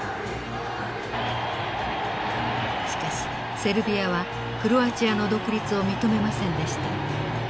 しかしセルビアはクロアチアの独立を認めませんでした。